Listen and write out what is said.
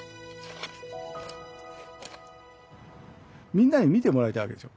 みんなに見てもらいたいわけですよ。